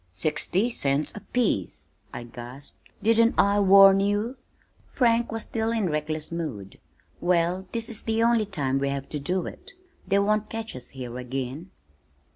"Sixty cents apiece!" I gasped. "Didn't I warn you?" Frank was still in reckless mood. "Well, this is the only time we have to do it. They won't catch us here again."